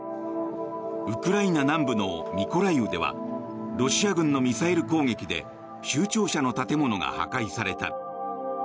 ウクライナ南部のミコライウではロシア軍のミサイル攻撃で州庁舎の建物が破壊された。